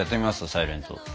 サイレント。